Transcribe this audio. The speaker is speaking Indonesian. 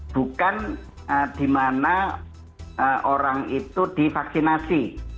bukan di mana orang itu divaksinasi